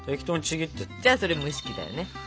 じゃあそれ蒸し器だよね。